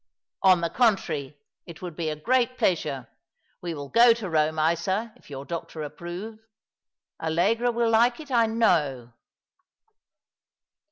" On the contrary, it would be a great pleasure. We will go to Eome, Isa, if your doctor approve. Allegra will like it, I know."